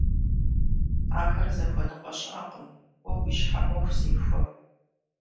Ахэр зыхуэныкъуэ щыӀэкъым, уэ уи щхьэ Ӏуэху зехуэ.